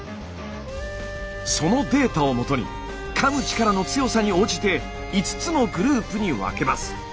そのデータを基にかむ力の強さに応じて５つのグループに分けます。